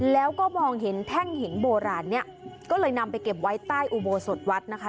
แล้วก็มองเห็นแท่งหินโบราณเนี่ยก็เลยนำไปเก็บไว้ใต้อุโบสถวัดนะคะ